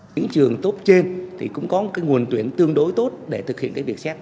những trường tốt trên thì cũng có một cái nguồn tuyển tương đối tốt để thực hiện cái việc xét